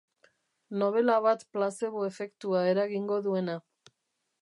Nobela bat plazebo efektua eragingo duena.